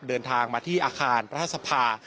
เดินทางมาที่อาคารรัฐสภา